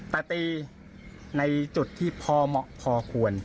แต่ตีในจุดที่พอเหมาะพอควร